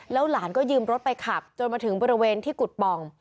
หลานก็ยืมรถไปขับจนมาถึงบริเวณที่กุฎป่อง